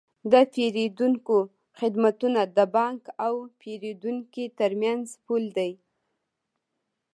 د پیرودونکو خدمتونه د بانک او پیرودونکي ترمنځ پل دی۔